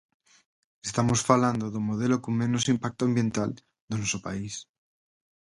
Estamos falando do modelo con menos impacto ambiental do noso país.